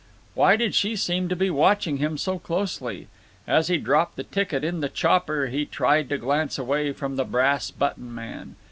Why did she seem to be watching him so closely? As he dropped the ticket in the chopper he tried to glance away from the Brass button Man.